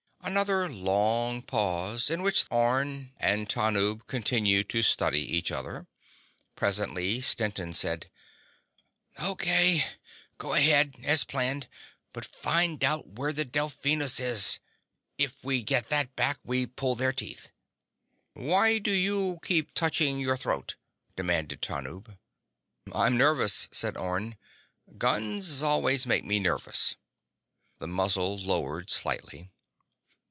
_ Another long pause in which Orne and Tanub continued to study each other. Presently, Stetson said: "O.K. Go ahead as planned. But find out where the Delphinus is! If we get that back we pull their teeth." "Why do you keep touching your throat?" demanded Tanub. "I'm nervous," said Orne. "Guns always make me nervous." The muzzle lowered slightly.